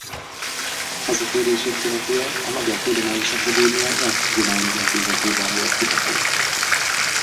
Hazatérését követően a Magyar Tudományos Akadémia Nyelvtudományi Intézetében volt kutató.